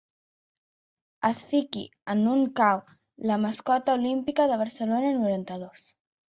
Es fiqui en un cau amb la mascota olímpica de Barcelona noranta-dos.